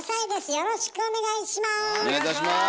よろしくお願いします。